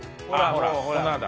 ほら粉だ。